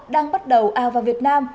đang bắt đầu ao vào việt nam